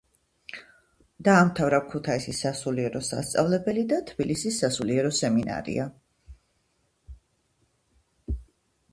დაამთავრა ქუთაისის სასულიერო სასწავლებელი და თბილისის სასულიერო სემინარია.